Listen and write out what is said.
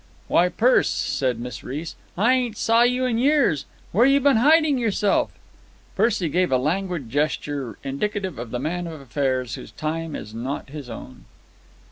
"Why, Perce," said Miss Reece, "I ain't saw you in years. Where you been hiding yourself?" Percy gave a languid gesture indicative of the man of affairs whose time is not his own.